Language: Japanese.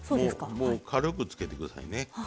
軽くつけて下さいね。